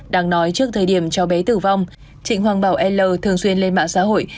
đang nói trước thời điểm cháu bé tử vong trịnh hoàng bảo l thường xuyên lên mạng xã hội